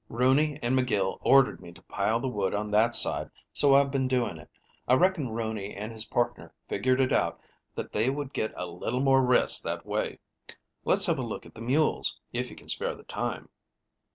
Rooney and McGill ordered me to pile the wood on that side, so I've been doing it. I reckon Rooney and his partner figured it out that they would get a little more rest that way. Let's have a look at the mules, if you can spare the time."